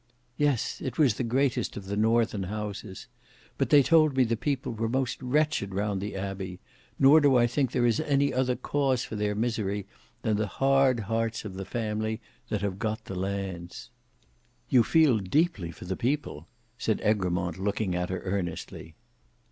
"Yes; it was the greatest of the Northern Houses. But they told me the people were most wretched round the Abbey; nor do I think there is any other cause for their misery, than the hard hearts of the family that have got the lands." "You feel deeply for the people!" said Egremont looking at her earnestly.